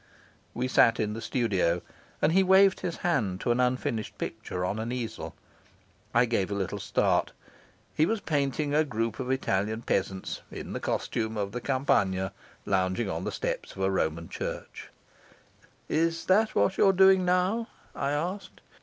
We sat in the studio, and he waved his hand to an unfinished picture on an easel. I gave a little start. He was painting a group of Italian peasants, in the costume of the Campagna, lounging on the steps of a Roman church. "Is that what you're doing now?" I asked.